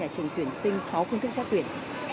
thành tuyển sinh sáu phương thức xét tuyển